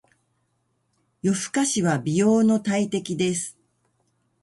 夜更かしは美容の大敵です。